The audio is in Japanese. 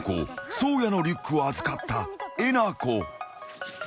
颯也のリュックを預かったえなこ］